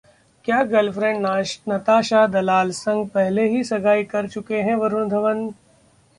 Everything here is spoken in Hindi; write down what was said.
क्या गर्लफ्रेंड नताशा दलाल संग पहले ही सगाई कर चुके हैं वरुण धवन?